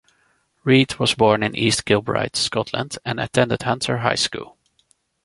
Reid was born in East Kilbride, Scotland and attended Hunter High School.